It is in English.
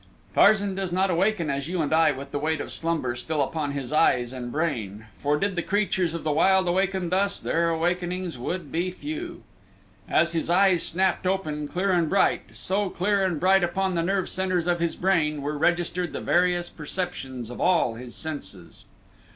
Tarzan does not awaken as you and I with the weight of slumber still upon his eyes and brain, for did the creatures of the wild awaken thus, their awakenings would be few. As his eyes snapped open, clear and bright, so, clear and bright upon the nerve centers of his brain, were registered the various perceptions of all his senses.